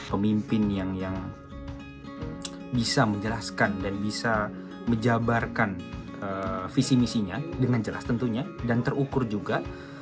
pemimpin yang bisa menjelaskan dan bisa menjabarkan visi misinya dengan jelas tentunya dan terukur juga